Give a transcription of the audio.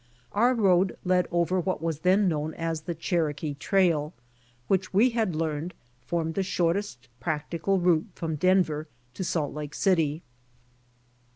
Our road led over what was then known as the "Cherokee Trail" which we had learned formed the shortest practical route from Denver to Salt Lake City.